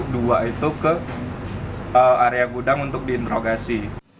dua itu ke area gudang untuk diinterogasi